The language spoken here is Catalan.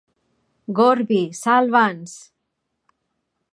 Gorby, salva'ns!